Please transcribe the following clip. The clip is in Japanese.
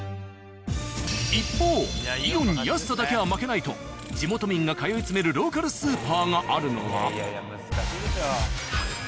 一方「イオン」に安さだけは負けないと地元民が通い詰めるローカルスーパーがあるのは。